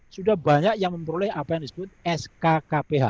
sudah banyak yang memperoleh apa yang disebut skkph